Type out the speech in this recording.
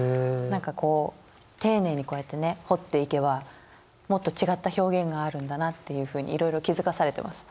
何かこう丁寧にこうやってね掘っていけばもっと違った表現があるんだなっていうふうにいろいろ気付かされてます。